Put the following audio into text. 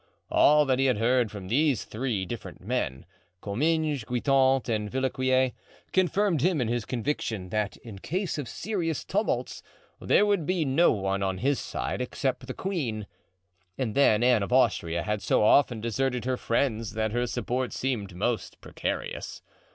All that he had heard from these three different men, Comminges, Guitant and Villequier, confirmed him in his conviction that in case of serious tumults there would be no one on his side except the queen; and then Anne of Austria had so often deserted her friends that her support seemed most precarious.